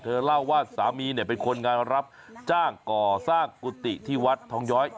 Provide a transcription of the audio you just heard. เล่าว่าสามีเนี่ยเป็นคนงานรับจ้างก่อสร้างกุฏิที่วัดทองย้อย